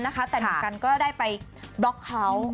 แต่หนุ่มกันก็ได้ไปบล็อกเขา